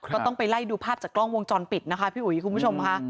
ก็ต้องไปไล่ดูภาพจากกล้องวงจรปิดนะคะพี่อุ๋ยคุณผู้ชมค่ะ